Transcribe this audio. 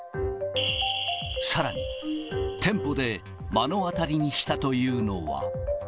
さらに、店舗で目の当たりにしたというのは。